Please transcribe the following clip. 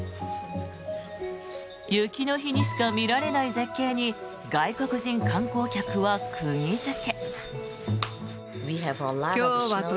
雪の日にしか見られない絶景に外国人観光客は釘付け。